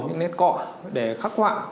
những nét cọ để khắc hoạ